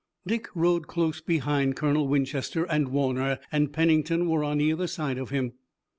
Dick rode close behind Colonel Winchester and Warner and Pennington were on either side of him.